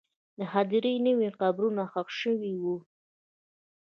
د هدیرې نوې قبرونه ښخ شوي وو.